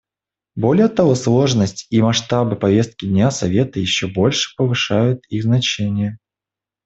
Более того, сложность и масштабы повестки дня Совета еще больше повышают их значение.